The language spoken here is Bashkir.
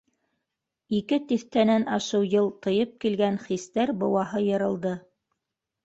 Ике тиҫтәнән ашыу йыл тыйып килгән хистәр быуаһы йырылды.